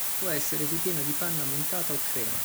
Può essere ripieno di panna montata o crema.